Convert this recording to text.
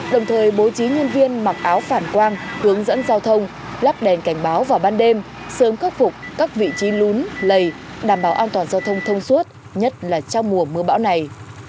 đồng thời bố trí nhân viên mặc áo phản quang hướng dẫn giao thông lắp đèn cảnh báo vào ban đêm sớm khắc phục các vị trí lún lầy đảm bảo an toàn giao thông thông suốt nhất là trong mùa mưa bão này